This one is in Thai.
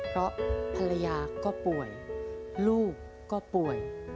เพราะภรรยาก็ป่วยลูกก็ป่วย